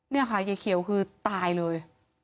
นี่ค่ะยายเขียวคือตายเลย